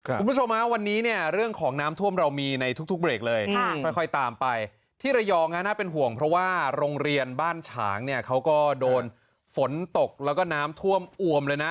คุณผู้ชมฮะวันนี้เนี่ยเรื่องของน้ำท่วมเรามีในทุกเบรกเลยค่อยตามไปที่ระยองฮะน่าเป็นห่วงเพราะว่าโรงเรียนบ้านฉางเนี่ยเขาก็โดนฝนตกแล้วก็น้ำท่วมอวมเลยนะ